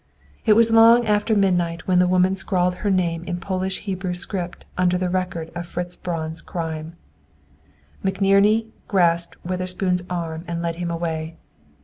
It was long after midnight when the woman scrawled her name in Polish Hebrew script under the record of Fritz Braun's crime. McNerney grasped Witherspoon's arm and led him away.